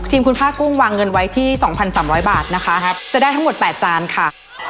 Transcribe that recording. ทีมคุณพ่ากุ้งวางเงินไว้ที่สองพันสามร้อยบาทนะคะจะได้ทั้งหมดแปดจานค่ะ